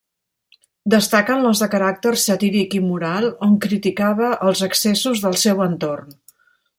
Destaquen les de caràcter satíric i moral, on criticava els excessos del seu entorn.